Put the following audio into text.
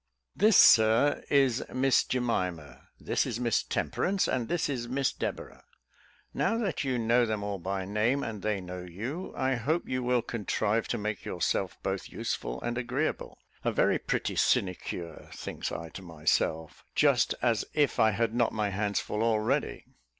"This, Sir, is Miss Jemima; this is Miss Temperance; and this is Miss Deborah. Now that you know them all by name, and they know you, I hope you will contrive to make yourself both useful and agreeable." "A very pretty sinecure," thinks I to myself, "just as if I had not my hands full already."